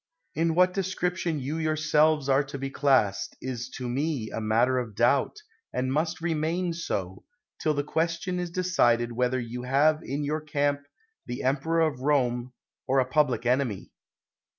In what description you yourselves are to be classed, is to me a matter of doubt, and must remain so, till the question is decided whether you have in your camp the emperor of Rome, or a public enemy.